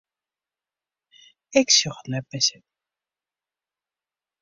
Ik sjoch it net mear sitten.